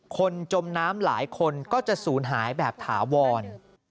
จมน้ำหลายคนก็จะสูญหายแบบถาวร